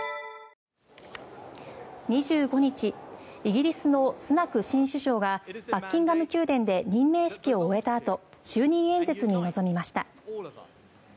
２５日イギリスのスナク新首相がバッキンガム宮殿で任命式を終えたあと就任演説に臨みました。